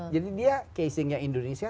jadi dia casingnya indonesia